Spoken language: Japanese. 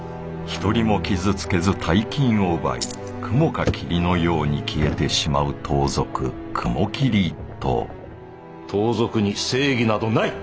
一人も傷つけず大金を奪い雲か霧のように消えてしまう盗賊雲霧一党盗賊に正義などない！